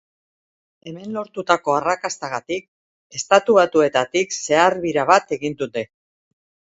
Hemen lortutako arrakastagatik Estatu Batuetatik zehar bira bat egiten dute.